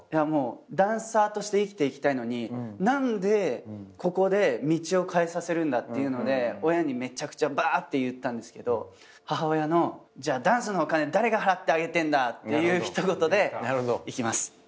ダンサーとして生きていきたいのに何でここで道を変えさせるんだっていうので親にめちゃくちゃばって言ったんですけど母親の「じゃあダンスのお金誰が払ってあげてんだ！」っていう一言で「行きます」って。